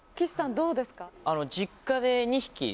どうですか？